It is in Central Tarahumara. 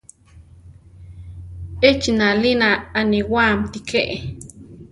Echi nalina aniwáamti ké.